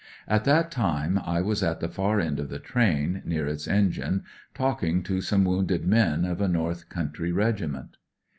At that time I was at the far end of the train, near its engine, talking to some wounded men of a north country regiment.